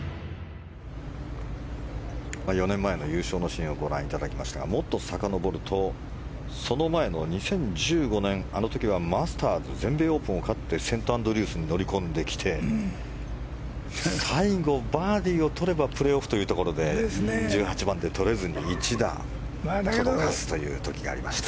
４年前の優勝のシーンをご覧いただきましたがもっとさかのぼるとその前の２０１５年あの時はマスターズ全米オープンを勝ってセント・アンドリュースに乗り込んできて最後、バーディーを取ればプレーオフというところで１８番で取れずに１打届かずという時がありました。